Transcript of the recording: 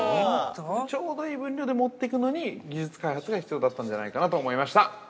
ちょうどいい分量で持っていくのに、技術開発が必要だったんじゃないかなと思いました。